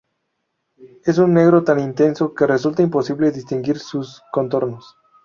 Es un negro tan intenso, que resulta imposible distinguir sus contornos.